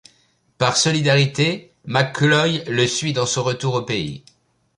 Par solidarité, McCloy, le suit dans son retour au pays.